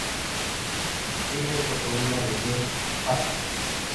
Ella es la sobrina de Jane Asher.